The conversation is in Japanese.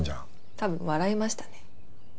多分笑いましたね。